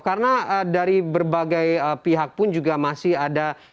karena dari berbagai pihak pun juga masih ada